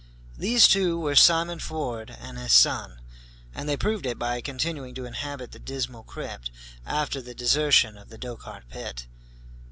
These two were Simon Ford and his son. And they proved it by continuing to inhabit the dismal crypt, after the desertion of the Dochart pit.